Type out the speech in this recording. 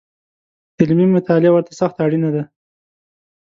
علمي مطالعه ورته سخته اړینه ده